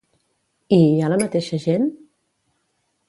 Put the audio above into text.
I hi ha la mateixa gent?